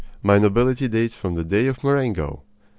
My nobility dates from the day of Marengo!"